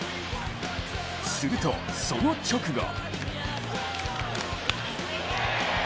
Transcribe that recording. すると、その直後。